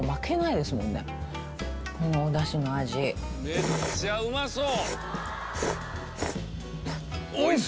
めっちゃうまそう！